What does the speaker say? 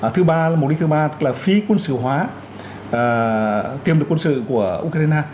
thứ ba là mục đích thứ ba tức là phí quân sự hóa tiêm lực quân sự của ukraine